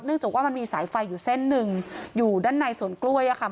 จากว่ามันมีสายไฟอยู่เส้นหนึ่งอยู่ด้านในสวนกล้วยอะค่ะ